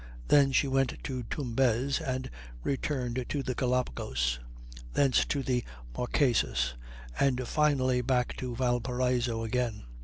Then she went to Tumbez, and returned to the Gallipagos; thence to the Marquesas, and finally back to Valparaiso again.